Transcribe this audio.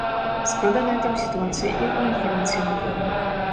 Складаная там сітуацыя і ў інфармацыйным плане.